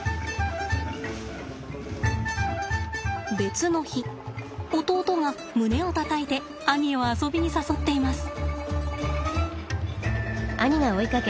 別の日弟が胸をたたいて兄を遊びに誘っています。